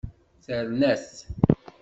Terna-t.